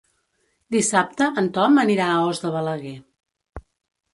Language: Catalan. Dissabte en Tom anirà a Os de Balaguer.